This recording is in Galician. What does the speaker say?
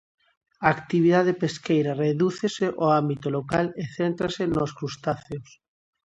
A actividade pesqueira redúcese ao ámbito local e céntrase nos crustáceos.